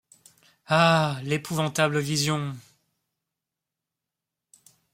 Ah! l’épouvantable vision !...